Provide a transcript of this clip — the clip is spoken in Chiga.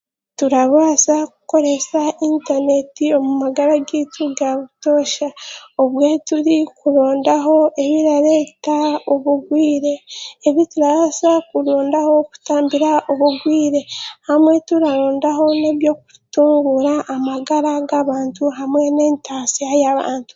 Turabaasa kukoresa intaneeti omu magara gaitu gaabutoosha obwe turi kurundaho ebirareeta obugwire ebiturabaasa kurondaho kutambira obugwire hamwe turarondaho eby'okutunguura amagara g'abantu hamwe n'entaasya y'abantu